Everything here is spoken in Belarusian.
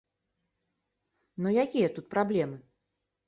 Ну якія тут праблемы?